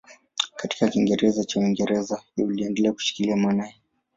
Katika Kiingereza cha Uingereza inaendelea kushikilia maana hii.